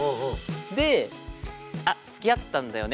で「あつきあったんだよね